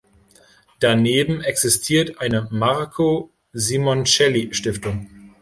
Daneben existiert eine Marco-Simoncelli-Stiftung.